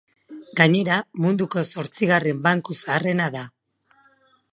Gainera, munduko zortzigarren banku zaharrena da.